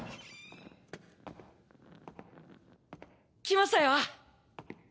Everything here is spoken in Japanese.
来ましたよ！